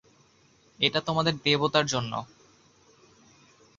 এটা তোমাদের দেবতার জন্য।